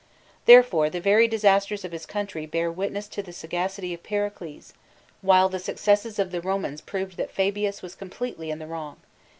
Therefore the pepe ἀἰδοοῦοῖος οὗ bis cooniey bear witness to the sagacity of Pericles; while the siccesses of the Romans proved that Fabius was completely in the wrong.